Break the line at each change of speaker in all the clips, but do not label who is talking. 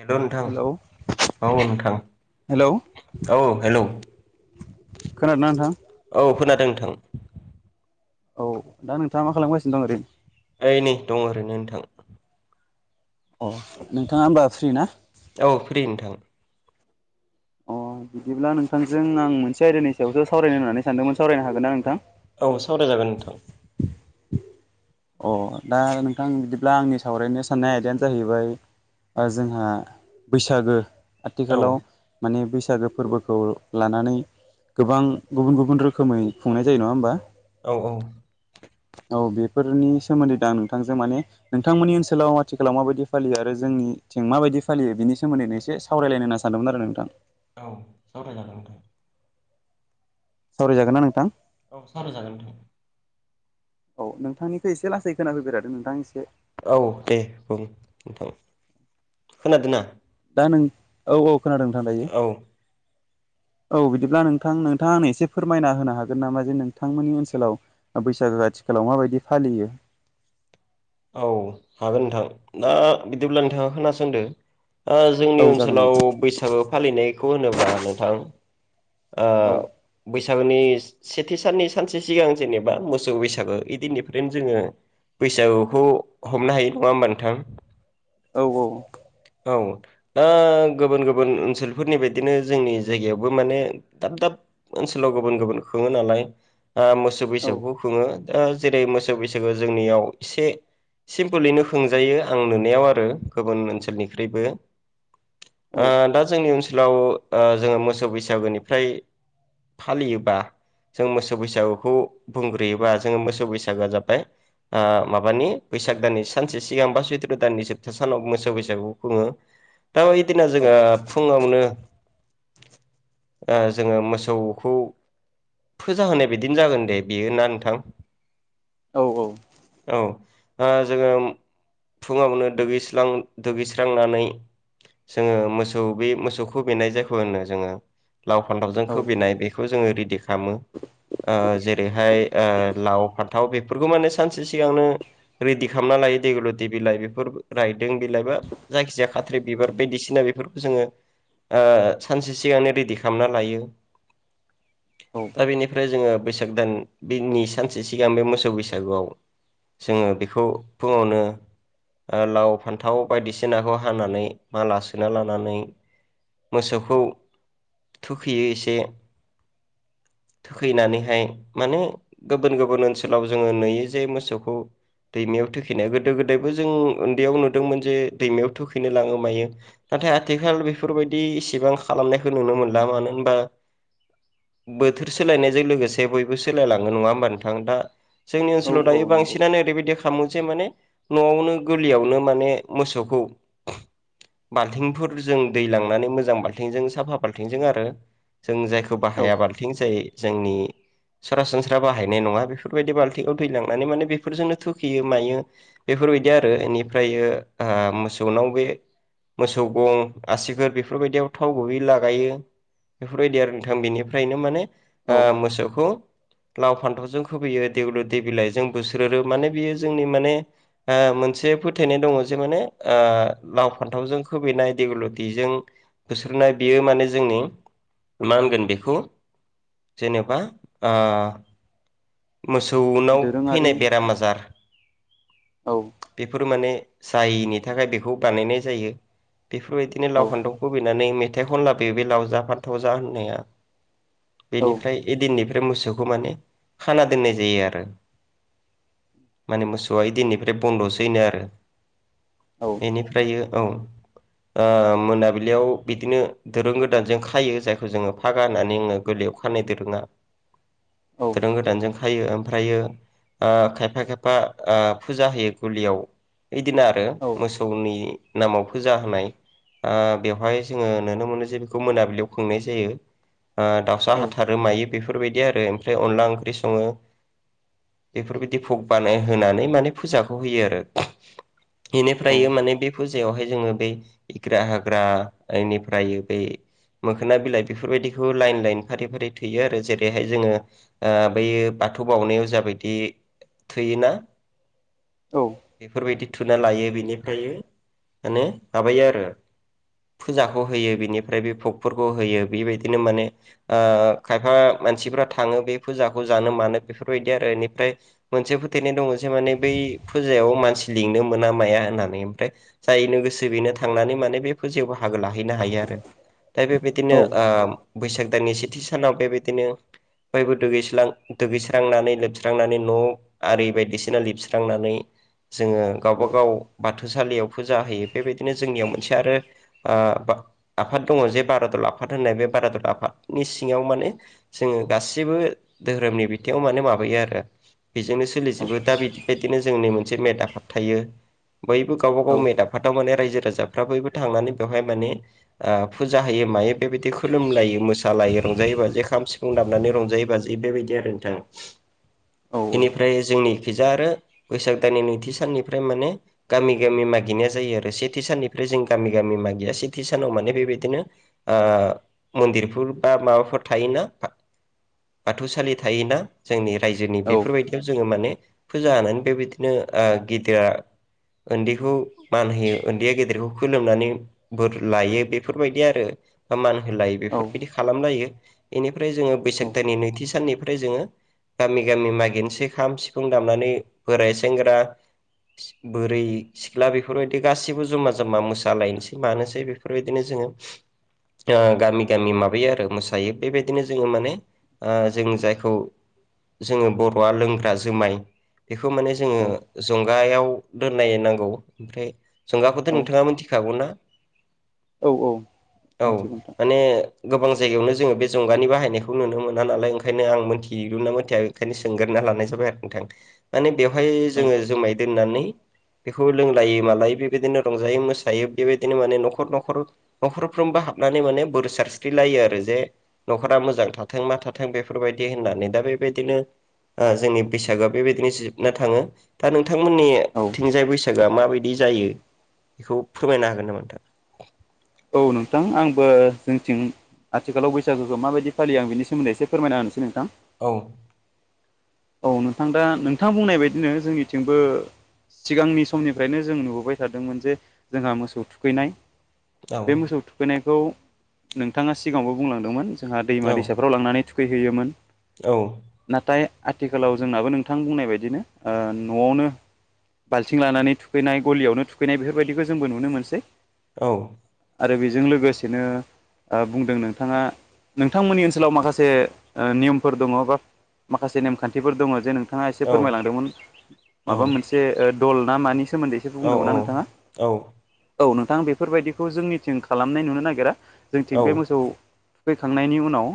हेल' नोंथां
हेलौ
औ नोंथां
हेलौ
औ हेलौ
खोनादोंना नोंथां
औ खोनादों नोंथां
औ दा नोंथाङा मा खालामगासिनो दं ओरै
ओइ नै दङ ओरैनो नोंथां।
अ नोंथाङा ओमबा फ्रि ना
औ फ्रि नोंथां।
अ बिदिब्ला नोंथांजों आं मोनसे आयदानि सायावसो सावरायनो होननानै सानदोंमोन सावरायनो हागोन ना नोंथां।
औ सावरायजागोन नोंथां
अ दा नोंथां बिदिब्ला आंनि सावरायनो साननाय आयदायानो जाहैबाय ओ जोंहा बैसागो
औ
आथिखालाव माने बैस सागो फोरबोखौ लानानै गोबां गुबुन गुबुन रोखोमै खुंनाय जायो नङा होमबा
औ औ
फोरनि सोमोन्दै दा आं नोंथांजों माने नोंथांमोननि ओनसोलाव आथिखालाव माबायदि फालियो आरो जोंनिथिं माबायदि फालियो बिनि सोमोन्दै एसे सावरायलायनो होनना सानदोमोन आरो नोंथां
औ सावरायजागोन नोंथां
सावरायजागोन ना नोंथां
औ सावरायजागोन नोंथां
औ नोंथांनिखो एसे लासै खोनाफैबाय थादों नोंथां एसे
औ दे बुं नोंथां खोनादो ना?
दा नों औ औ खोनादों नोंथां दायो।
औ
औ बिदिब्ला नोंथां नोंथाङा आंनो एसे फोरमायना होनो हागोन नामा जे नोंथांमोननि ओनसोलाव ओ बैसा गो आथिखालाव माबायदि फालियो?
औ हागोन नोंथां दा बिदिब्ला नोंथाङा खोनासंदो। आ जोंनि
औ जागोन दे
ओनसोलाव
नोंथां
बैसागो फालिनायखौ होनोब्ला नोंथां आ
औ
बैस सागोनि सेथि साननि सानसे सिगां जेनेबा मोसौ बैसागो इदिननिफ्रायनो जोङो बैसागुखौ हमनो हायो नङा होमबा नोंथां
औ औ
औ दा गोबोन गोबोन ओनसोलफोरनि बायदिनो जोंनि जायगायावबो माने दाब दाब ओनसोलाव गुबुन गुबुन खोङो नालाय आ मोसौ बैसागुखौ खुङो दा जेरै मोसौ बैसागु जोंनियाव एसे सिम्पोलैनो खोंजायो आं नुनायाव आरो गुबुन ओनसोलनिख्रुइबो
औ
आ
औ
दा जोंनि ओनसोलाव आ जोङो मोसौ बैसागोनिफ्राय फालियोबा जों मोसौ बैसागुखौ बुंग्रोयोबा जोङो मोसौ बैसागोआ जाबाय आ माबानि बैसाग दाननि सानसे सिगां बा सैत्र' दाननि जोबथा सानाव मोसौ बैसागु खुङो। दा ऐदिना जोङो फुङावनो आ जोङो मोसौखौ फोजा होनाय बायदिनो जागोन दे बियो ना नोंथां
औ औ
औ ओ जोङो उम फुङावनो दुगैयस्रां दुगैस्रांनानै जोङो मोसौ बे मोसौखौ बेनाय जायखौ होनो जोङो लाव फानथावजों खोबैनाय बेखौ जोङो रेडिख खामो आ जेरैहाय आ लाव फाथाव बेफ फोरखौ माने सानसे सिगांनो रेडि खामना लायो देगुलेति बिलाइ बेफोर राइ जों बिलाइबा जायखिजाया खाद थ्रि बिबार बायदिसिना बेफोरखौ जोङो आ सानसे सिगांनो रेडि खामना लायो।
[inaudible] [unintelligible]
दा
औ
बेनिफ्राय जोङो बैसाग दान बिनि सानसे सिगां बे मोसौ बैसागुआव जोङो बेखौ फुङावनो लाव फान्थाव बायदिसिनाखौ हानानै माला सोना लानानै मोसौखौ थुखैयो एसे
[inaudible] [unintelligible]
थुखैनानैहाय माने गुबुन गुबुन ओनसोलाव जोङो नुयो जे मोसौखौ दैमायाव थुखैनाय गोदो गोदायबो जों उन्दैयाव नुदोंमोन जे दैमायाव थोखैनो लाङो मायो नाथाय आथिखाल बेफोरबायदि इसेबां खालामनायखौ नुनो मोनला मानो होनबा
[inaudible] [unintelligible]
बोथोर सोलायनायजों लोगोसे बयबो सोलायलाङो नङा होमबा नोंथां दा जोंनि
औ
ओनसोलाव
औ
दायो
नंगौ
बांसिनो ओैरैबायदि खालामो जे माने न'आवनो गोरलैयावनो माने मोसौखौ बाल्थिंफोर जों दै लांनानै मोजां बाल्थिंजों साफा बाल्थिंजों आरो जों जायखौ
औ
बाहाया बाल्थिं जायो जोंनि सरासनस्रा बाहायनाय नङा बेफोरबायदि बाल्थिखौ दैलांनानै माने बेफोर जोंनो थुखोयो मायो बेफोरबायदि आरो इनिफ्रायो मोसौनाव बे मोसौ गं आसिगुर बेफोरबायदियाव थाव गुबै लागायो बेफोरबायदि आरो नोंथां बेनिफ्रायनो माने ओ
औ
मोसौखौ लाव फान्थावजों खुबोयो देगुलिथि बिलाइजों बुस्रोदो माने बेयो जोंनि माने मोनसे फोथायनाय दङ जे माने लाव फान्थावजों खुबो नाय देगुलटिजों बुस्रोदनाय बेयो माने जोंनि मा होनगोन बेखौ जेनेबा आ मोसौनाव फैनाय
दोरोङारि
बेराम आजार
औ
बेफोर माने जायिनि थाखाय बेखौ बानायनाय जायो बेफोरबायदिनो
औ
लाव फान्थाव खुबैनानै मेथाइ खनना लाबोयो बे लाव जा फान्थाव जा होननाया
औ
बेनिफ्राय ए दिननिफ्राय मोसौखौ माने खाना दोननाय जायो आरो माने मोसौआ ए दिननिफ्राय बन्द' सै नो आरो एनिफ्रायो औ ओ मोनाबिलियाव बिदिनो दिरुं गोदानजों खायो जायखौ जोङो फागा होननानै होनो अखानायै दिरुंआ
[inaudible] [unintelligible]
दिरुं गोदानजों खायो ओमफ्रायो ओ खायफा खायफा ओ फुजा होयो गुलियाव बिदिनो आरो मोसौनि नामाव फुजा होनाय ओ बेवहाय जोङो नुनो मोनो जे बेखौ मोनाबिलियाव खुंनाय जायो ओ दाउसा हाथारो मायो बेफोरबायदि आरो ओमफ्राय अनला ओंख्रि सङो बेफोरबायदि भग बानाय होनानै माने फुजाखौ खौ होयो‌ आरो बेनिफ्रायो माने बे फुजा बेवहाय जोङो बे इग्रा हाग्रा एनिफ्राय बे मोखोना बिलाइ बेफोरबायदिखौ लाइन लाइन फारि फारि थैयो आरो जेरैहाय जोङो बै बाथौ बावनायाव जाबायदि थोयोना बेफोरबायदि थुना लायो। बिनिफ्राय माने माबायो आरो फुजाखौ होयो बिनिफ्राय बे भकफोरखौ होयो। बेबायदिनो माने ओ खायफा मानसिफ्रा थाङो बे फुजाखौ जानो मानो बेफोरबायदि आरो। एनिफ्राय मोनसे फोथायनाय दङ' जे माने बै फुजायाव मानसि लिंनो मोना माया होननानै ओमफ्राय जायनो गोसो बेनो थांनानै माने बे फुजायाव हाब बाहागो लाहैनो हायो आरो। दा बेबायदिनो ओ बैसाग दाननि सेथि सानाव बेबायदिनो बयबो दुगैस्लां दुगैस्रांनानै लोबस्रांनानै न' आरि बायदिसिना लिरस्रांनानै जोङो गावबा गाव बाथौसालियाव फुजा होयो बेबायदिनो जोंनियाव मोनसे आरो ओ आ बा आफाद दङ' जे बारादल आफाद होननाय बे बारादल आफा नि सिङाव माने जोङो गा सिबो धोरोमनि बिथिङाव माने माबायो आरो बेजोंनो सोलिजोबो। दा बे बादिनो जोंनि मोन से मेदाफाद थायो बयबो गावब गाव मेदाफादाव माने राय जो राजाफ्रा बयबो थांनानै बेवहाय माने ओ फुजा होयो मायो बेबायदि खुलुमलायो मोसाला यो रंजायो बाजायो खाम सिफुं दामनानै रंजायो बाजायो बेबायदि आरो नोंथां। एनिफ्राय जोंनि इखैजा आरो बैसाग दाननि नैथि साननिफ्राय माने गामि गामि मागिनाया जायो आरो सेथि साननिफ्राय जों गामि गामि मागिया से सेथि सानाव माने बेबायदिनो ओ मन्दिरफोर बा माबाफोर थायोना बाथौसालि थायोना जोंनि रायजोनि बेफोरबायदियाव जोङो माने फुजा होनानै बेबायदि नो ओ गिदोआ ओन्दैखौ मान होयो ओन्दैया गेदेरखौ खोलोमनानै बोर लायो। बेफोरबायदि दि आरो मान होलायो बेफोरबायदि खालामलायो। एनिफ्राय जोङो बैसाग दाननि नैथि साननि ओमफ्राय जोङो गामि गामि मागिनोसै खाम सिफुं दामनानै बोराय सेंग्रा बोरै सिख्ला बेफोरबायदि गासैबो जमा जमा मोसालायनोसै मानोसै बेफोरबायदिनो जों ङो गामि गामि माबायो आरो मोसायो बेबायदिनो जोङो माने ओ जों जायखौ जोङो बर'आ लोंग्रा जोमाय बेखौ माने जोङो जंगायाव दोननाय नांगौ ओमफ्राय
औ
जंगाखौथ' नोंथाङा मिथिखागौ ना?
औ
औ
मिथिगौ नोंथां
माने गोबां जायगायावनो जोङो बे जंगानि बाहायनायखौ नुनो मोना नालाय ओंखायनो आं मोनथिगौना मोनथिया बेखायनो सोंग्रोना लानाय जाबाय आरो नोंथां। माने बेवहाय
औ
जोङो जुमाय दोननानै बेखौ लोंलायो मालायो बेबायदिनो रंजायो मोसायो बेबायदिनो माने न'खर न'खर न'खरफ्रोमबा हाबनानै माने बोर सारस्रि लायो आरो जे न'खरा मोजां थाथों मा थाथों बेफोरबायदि होननानै। दा बेबायदिनो ओ जोंनि बैसागुआ बेबायदिनो जोब ना थाङो दा
औ
नोंथांमोननिथिंजाय बैसा सागोआ माबायदि जायो बेखौ फोरमायनो हागोन नामा नोंथां?
औ नोंथां आंबो जोंथिं आथिखालाव बैसागोखौ माबायदि फालियो आं बिनि सोमोन्दै एसे फोरमायना होनोसै नोंथां।
औ।
औ नोंथां दा नोंथां बुंनाय बायदिनो जोंनिथिंबो सिगांनि समनिफ्रायनो जों नुबोबाय थादोंमोन जे जोंहा मोसौ थुखैनाय
औ
बे मोसौ थुखैनायखौ नोंथाङा सिगाङावबो बुंलांदोंमोन जोंहा दैमा
औ
दैसाफ्राव लांनानै थुखै खैहैयोमोन। नाथाय आथिखालाव जोंनाबो नोंथां बुंनाय बायदिनो। ओ न'आवनो बाल्थिं लानानै थुखैनाय गलियावनो थुखैनाय बेफोरबायदिखौ जोंबो नुनो मोनसै।
औ।
आरो बेजों लोगोसेनो बुंदों नोंथाङा नोंथांमोननि ओनसोलाव माखासे ओ नियमफोर दङ' बा माखासे नेमखान्थिफोर दङ' जे नोंथाङा एसे
औ
फोरमायलांदोंमोन माबा मोनसे ओ दल ना मानि सोमोन्दै एसे बुंदोंमोन ना नोंथां? औ नोंथां बेफोरबायदि खौ जोंनिथिं खालामनाय नुनो नागिरा। जोंथिं बे मोसौ थुखैखांनायनि उनाव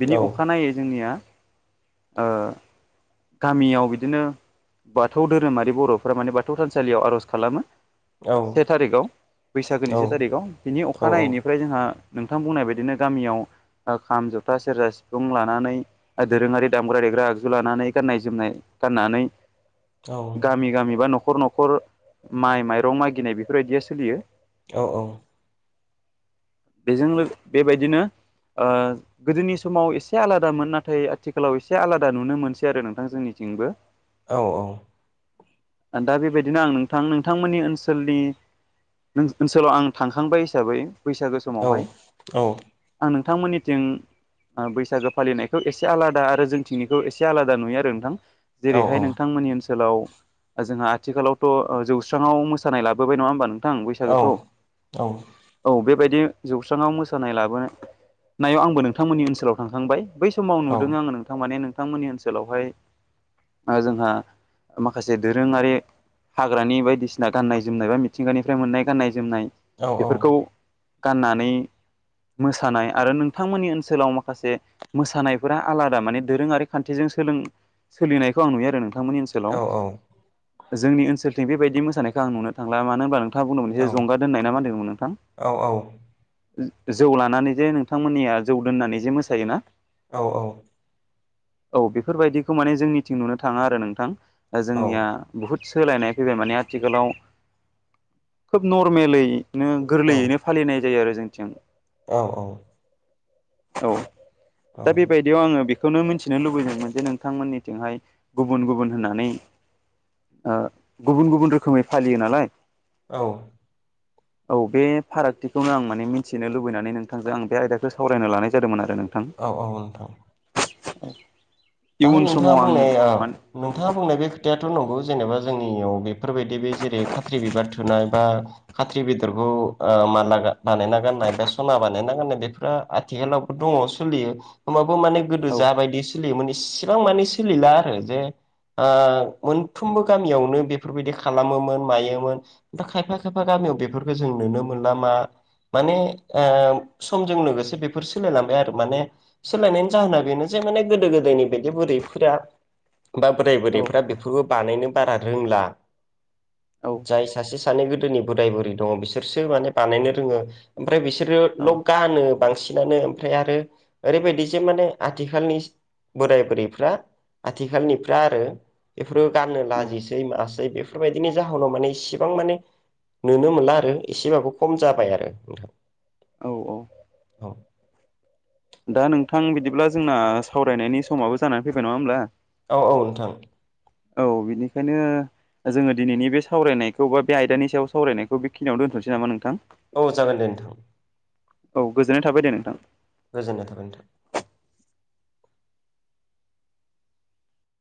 बिनि अखानायै जोंनिया गामियाव बिदिनो बाथौ धोरोमारि बर'फ्रा माने बाथौ थानसालियाव आर'ज खालामो से थारिखआव बैसागोनि से थारिखआव बिनि अखानायैनिफ्राय जोंहा नोंथां बुंनाय बायदिनो गामियाव खाम जथा सेरजा सिफुं लानानै दोरोङारि दामग्रा देग्रा आगजु लानानै गाननाय जोमनाय गाननानै
औ औ
गामि गामिबा न'खर न'खर माइ माइरं मागिनाय बेफोरबायदिया सोलियो
अ
बेजों लोगन बेबायदिनो ओ गोदोनि समाव एसे आलादामोन नाथाय आथिखालाव एसे आलादा नुनो मोनसै आरो नोंथां जोंनि थिंबो।
औ औ
दा बेबायदिनो आं नोंथां नोंथांमोननि ओनसोलनि नों नोंसो ओनसोलाव आं थांखांबाय हिसाबै बैसागो समावहाय आं नोंथांमोननिथिं ओ बैसागो फालिनायखौ एसे आलादा आरो जोंथिंनिखौ एसे आलादा नुयो आरो नोंथां। जेरैहाय नोंथांमोननि ओनसोल ओनसोलाव जोंहा आथिखालावथ' ओ जौस्राङाव मोसानाय लाबोबाय नङा होमबा नोंथां बैसागोखौ?
औ
औ बेबायदि जौस्राङाव मोसानाय लाबोनायाव आंबो नोंथांमोननि ओनसोलाव थांखांबाय। बै समाव नुदों आङो नोंथां माने नोंथांमोननि ओनसोलावहाय जोंहा माखासे दोरोङारि हाग्रानि बायदिसिना गाननाय जोमनाय बा मिथिंगानिफ्राय मोननाय गाननाय जोमनाय बेफोरखौ गाननानै मोसानाय आरो नोंथांमोननि ओनसोलाव माखासे मोसानायफोरा आलादा माने दोरोङारि खान्थिजों सोलों सोलिनायखौ आं नुयो आरो नों थांमोननि ओनसोलाव जोंनि ओनसोलथिं बेबायदि मोसानायखौ आं नुनो थांला मानो होनबा नों नोंथांया बुंदोंमोन जे जंगा दोननाय ना मा होनदोंमोन नोंथां? जौ लानानै जे नोंथांमोननिया जौ दोननानै जे मोसायोना?
औ औ
औ बेफोरबायदिखौ माने जोंनिथिं नुनो थाङा आरो नोंथां जोंनिया बुहुद सोलायनाय फैबाय माने आथिखालाव खोब नरमेलै नो गोरलैयैनो फालिनाय जायो आरो जोंथिं
औ औ
औ दा बेबायदियाव आङो बेखौ खौनो मिथिनो लुबैदोंमोन जे नोंथांमोननिथिंहाय गुबुन गुबुन होननानै ओ गुबुन गुबुन रोखोमै फालियो नालाय
औ
[inaudible] औ बे फारागथिखौनो आं माने मिथिनो लुबैनानै नोंथांजों आं बे आयदाखौ सावरायनो लानाय जादोंमोन आरो नों
औ औ नोंथां।
[inaudible]
दा नोंथाङा
समाव आं
बुंनाय ओ
माने
नोंथाङा बुंनाय बे खोथा खोथायाथ' नंगौ जेनेबा जोंनियाव बेफोरबायदि बे जेरै खाथ्रि बिबार थुनाय बा खाथ्रि बेदरखौ खौ ओ माला बानायना गाननाय बा सना बानायना गाननाय बेफोरा आथिखालावबो दङ सोलियो। होमबाबो माने गोदो
औ
जाबायदि सोलियोमोन इसेबां माने सोलिला आरो जे ओ मोनफ्रोमबो गामियावनो बेफोरबायदि खालामोमोन मायोमोन दा‌ खायफा खायफा गामि गामियाव बेफोरखौ जों नुनो मोनला मा माने ओ समजों लोगोसे बेफोर सोलायलांबाय आरो माने सोलायनायनि जाहोना बेनो जे माने गोदो गोदायनि दि बुरैफोरा बा बोराय
औ
बुरैफोरा बेफोरबो बानायनो बारा रोंला।
[inaudible]
जाय सासे सानै गोदोनि बोराय बुरि दङ बिसोरसो माने बानायनो रोङो। ओमफ्राय बिसोरो ल
औ
गानो बांसिनानो ओमफ्राय आरो ओरैबायदि जे माने आथिखालनि बोराय बुरैफ्रा आथिखालनिफ्रा आरो बेफोरो गाननो
औ
लाजिसै मासै बेफोरबायदिनि जाहोनाव माने इसिबां माने नुनो मोनला आरो एसेबाबो खम जाबाय आरो नोंथां।
औ औ।
औ।
दा नोंथां बिदिब्ला जोंना सावरायनायनि समाबो जानानै फैबाय नङा होमब्ला?
औ औ नोंथां।
औ बिनिखायनो जोङो दिनैनि बे सावरायनायखौ बा बे आयदानि सायाव सावरायनायखौ बेखिनियाव दोन्थ'नोसै नामा नोंथां?
औ जागोन दे नोंथां।
औ गोजोननाय थाबाय दे नोंथां।
गोजोननाय थाबा नोंथां।